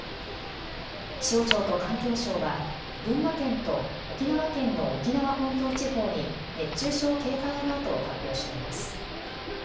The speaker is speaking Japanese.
気象庁と環境省は群馬県と沖縄県の沖縄本島地方に熱中症警戒アラートを発表しています。